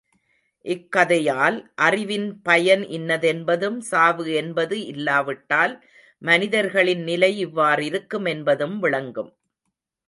இக் கதையால் அறிவின் பயன் இன்னதென்பதும், சாவு என்பது இல்லாவிட்டால் மனிதர்களின் நிலை இவ்வாறிருக்கும் என்பதும் விளங்கும்.